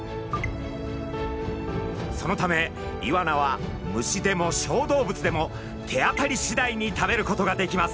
そのためイワナは虫でも小動物でも手当たりしだいに食べることができます。